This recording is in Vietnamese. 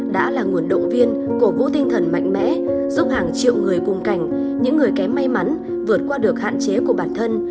đã là nguồn động viên cổ vũ tinh thần mạnh mẽ giúp hàng triệu người cùng cảnh những người kém may mắn vượt qua được hạn chế của bản thân